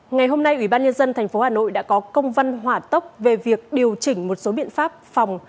ngày hôm nay ủy ban nhân dân tp hà nội đã có công văn hỏa tốc về việc điều chỉnh một số biện pháp phòng